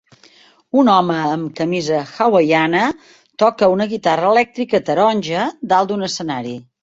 Un home amb camisa hawaiana toca una guitarra elèctrica taronja dalt un escenari.